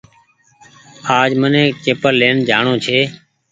آج مني چيپل لين جآڻو ڇي